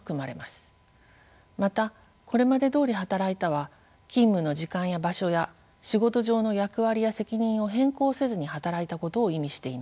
また「これまでどおり働いた」は勤務の時間や場所や仕事上の役割や責任を変更せずに働いたことを意味しています。